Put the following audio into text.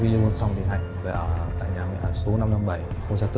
sau khi đưa con xong thì hạnh